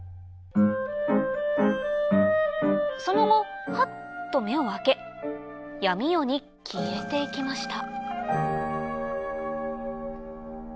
その後ハッと目を開け闇夜に消えていきました